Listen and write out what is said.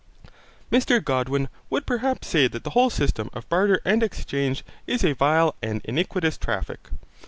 Mr Godwin would perhaps say that the whole system of barter and exchange is a vile and iniquitous traffic.